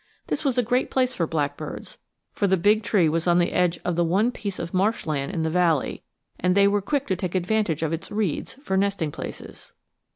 This was a great place for blackbirds, for the big tree was on the edge of the one piece of marsh land in the valley, and they were quick to take advantage of its reeds for nesting places.